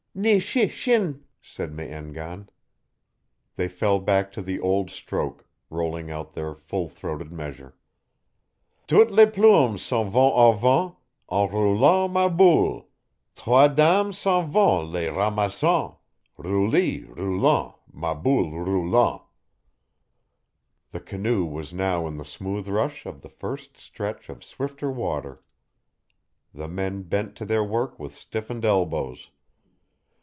"Ni shi shin," said Me en gan. They fell back to the old stroke, rolling out their full throated measure. _"Toutes les plumes s'en vont au vent, En roulant ma boule, Trois dames s'en vont les ramassant, Rouli roulant, ma boule roulant."_ The canoe was now in the smooth rush of the first stretch of swifter water. The men bent to their work with stiffened elbows.